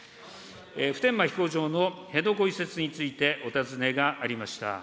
普天間飛行場の辺野古移設についてお尋ねがありました。